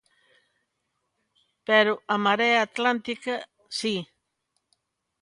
Pero á Marea Atlántica, si.